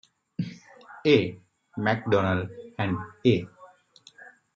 A. Macdonell and A.